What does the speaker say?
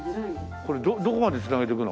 これどこまで繋げていくの？